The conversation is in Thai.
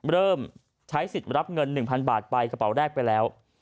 เริ่มใช้สิทธิ์รับเงิน๑๐๐๐บาทไปกระเป๋าแรกไปแล้ว